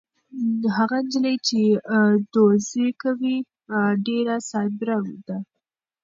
هغه نجلۍ چې دوزي کوي ډېره صابره ده.